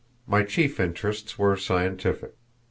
My chief interests were scientific.